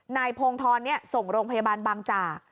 นายพงธรส่งโรงพยาบาลบางจาก